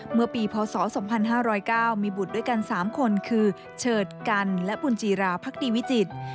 เมื่อปีพศ๒๕๐๙มีบุตรด้วยกัน๓คนคือเฉิดกันและบุญจีราภักดีวิจิตร